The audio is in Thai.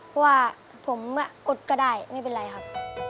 เพราะว่าผมกดก็ได้ไม่เป็นไรครับ